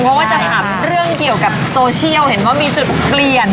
เพราะว่าจะถามเรื่องเกี่ยวกับโซเชียลเห็นว่ามีจุดเปลี่ยน